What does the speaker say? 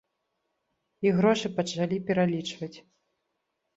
І грошы пачалі пералічваць.